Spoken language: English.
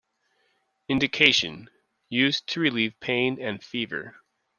Indication: Used to relieve pain and fever.